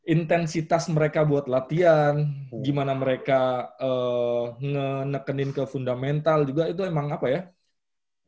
intensitas mereka buat latihan gimana mereka ngenekenin ke fundamental juga itu emang apa ya